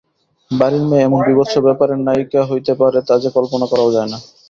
বাড়ির মেয়ে এমন বীভৎস ব্যাপারের নায়িকা হইতে পারে তা যে কল্পনা করাও যায় না।